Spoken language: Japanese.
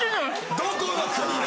どこの国だよ。